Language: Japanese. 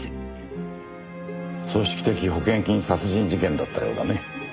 組織的保険金殺人事件だったようだね。